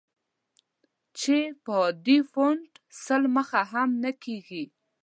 چې په عادي فونټ سل مخه هم نه کېږي.